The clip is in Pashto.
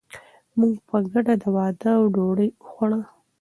موږ په ګډه د واده ډوډۍ وخوړه.